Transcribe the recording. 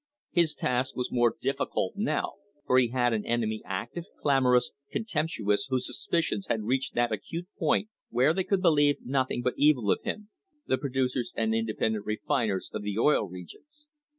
His task was more difficult now, for he had an enemy active, clamorous, contemptuous, whose suspicions had reached that acute point where they could believe nothing but evil of him — the producers and independent refiners of the Oil Regions.